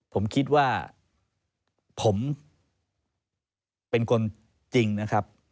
ผมคิดว่าผมเป็นคนจริงนะครับ